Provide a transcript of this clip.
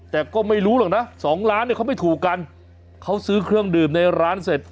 แต่ก็ไม่รู้หรอกนะสองล้านเนี่ยเขาไม่ถูกกันเขาซื้อเครื่องดื่มในร้านเสร็จ